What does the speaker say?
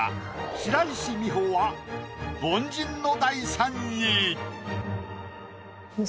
白石美帆は凡人の第３位。